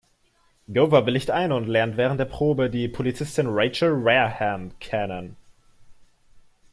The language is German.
Gower willigt ein und lernt während der Probe die Polizistin Rachel Wareham kennen.